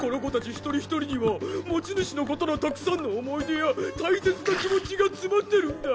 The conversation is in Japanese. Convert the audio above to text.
一人一人には持ち主の子とのたくさんの思い出や大切な気持ちが詰まってるんだ！